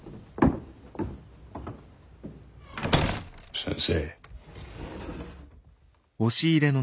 先生。